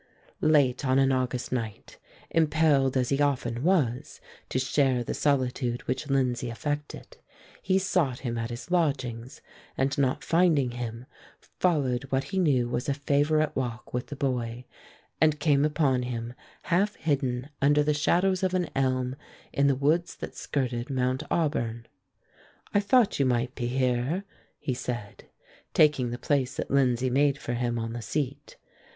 Late on an August night, impelled as he often was to share the solitude which Lindsay affected, he sought him at his lodgings, and not finding him, followed what he knew was a favorite walk with the boy, and came upon him half hidden under the shadows of an elm in the woods that skirted Mount Auburn. "I thought you might be here," he said, taking the place that Lindsay made for him on the seat.